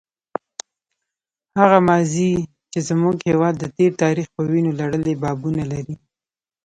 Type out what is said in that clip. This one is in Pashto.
هغه ماضي چې زموږ هېواد د تېر تاریخ په وینو لړلي بابونه لري.